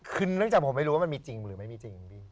คือเนื่องจากผมไม่รู้ว่ามันมีจริงหรือไม่มีจริงพี่